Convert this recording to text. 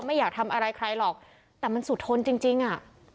ไม่อยากทำอะไรใครหรอกแต่มันสุดทนจริงจริงอ่ะ